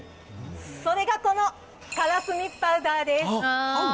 それがこの、からすみパウダーです。